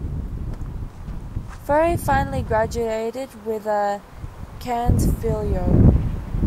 Furre finally graduated with a cand.philol.